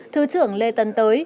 thứ trưởng lê tân tới